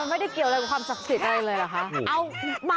ไม่ได้เกี่ยวอะไรกับความศักดิ์สิทธิ์อะไรเลยเหรอคะ